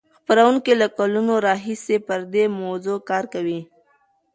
څېړونکي له کلونو راهیسې پر دې موضوع کار کوي.